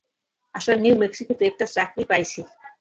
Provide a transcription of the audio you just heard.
আসলে, নিউ ম্যাক্সিকোতে একটা চাকরি পাইছি।